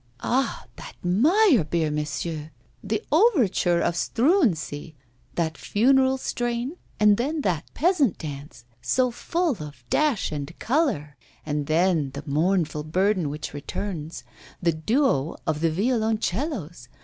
'Ah! that Meyerbeer, monsieur, the overture of "Struensee," that funereal strain, and then that peasant dance, so full of dash and colour; and then the mournful burden which returns, the duo of the violoncellos.